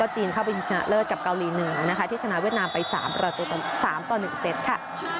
จีนเข้าไปชนะเลิศกับเกาหลีเหนือที่ชนะเวียดนามไป๓ต่อ๑เซตค่ะ